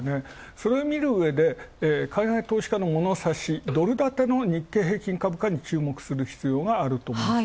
それ見るうえで海外投資家のドル建ての日経平均株価に注目する必要があると思います。